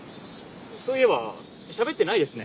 そういえばしゃべってないですね。